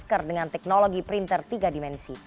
masker dengan teknologi printer tiga dimensi